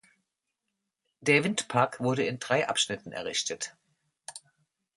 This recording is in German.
Der Windpark wurde in drei Abschnitten errichtet.